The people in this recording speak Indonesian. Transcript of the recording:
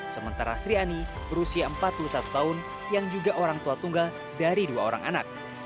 sementara sri ani berusia empat puluh satu tahun yang juga orang tua tunggal dari dua orang anak